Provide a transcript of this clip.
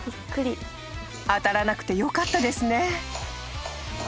［当たらなくてよかったですね］